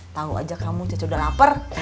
tahu aja kamu caca udah lapar